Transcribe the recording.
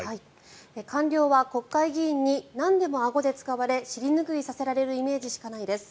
官僚は国会議員になんでもあごで使われ尻拭いさせられるイメージしかないです。